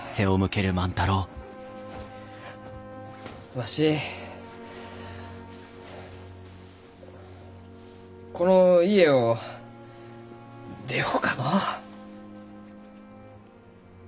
わしこの家を出ようかのう。